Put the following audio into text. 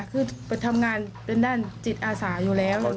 คือทำงานเป็นด้านจิตอาสาอยู่แล้วอย่างนี้